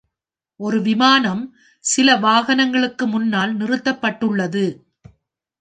ஒரு விமானம் சில வாகனங்களுக்கு முன்னால் நிறுத்தப்பட்டுள்ளது.